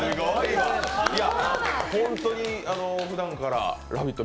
ほんとにふだんから「ラヴィット！」